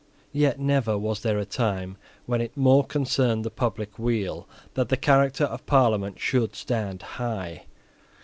Yet never was there a time when it more concerned the public weal that the character of Parliament should stand high.